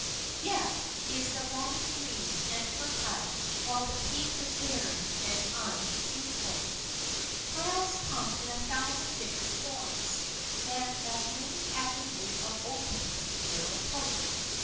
Yet is the valley green and fertile, while the peak is barren and unfruitful. Trials come in a thousand different forms, and as many avenues are open to their approach.